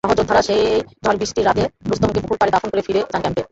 সহযোদ্ধারা সেই ঝড়বৃষ্টির রাতে রুস্তমকে পুকুরপাড়ে দাফন করে ফিরে যান ক্যাম্পে।